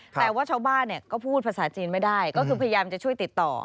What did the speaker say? แต่ว่าชาวบ้านก็พูดภาษาจีนไม่ได้ก็คือพยายามจะช่วยติดต่อ